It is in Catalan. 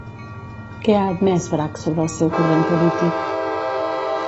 Què ha admès Bragg sobre el seu corrent polític?